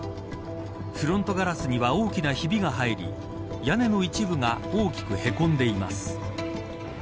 フロントガラスには大きなひびが入り屋根の一部が大きくへこんでいます。